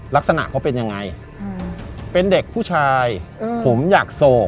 ลักษณะเขาเป็นยังไงเป็นเด็กผู้ชายผมอยากโศก